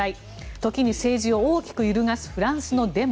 時に政治を大きく揺るがすフランスのデモ。